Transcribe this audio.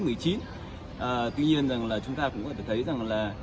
tuy nhiên rằng là chúng ta cũng có thể thấy rằng là